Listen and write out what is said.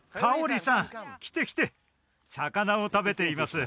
かをりさん来て来て魚を食べています